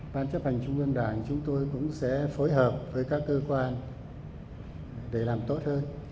ban chấp hành trung ương đảng chúng tôi cũng sẽ phối hợp với các cơ quan để làm tốt hơn